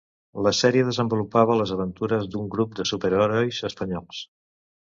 La sèrie desenvolupava les aventures d'un grup de superherois espanyols.